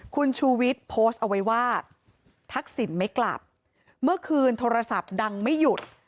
คุณชูวิทย์โพสต์เอาไว้ว่าทักษิณไม่กลับเมื่อคืนโทรศัพท์ดังไม่หยุด